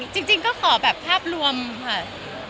จริงก็ขอแบบภาพรวมค่ะ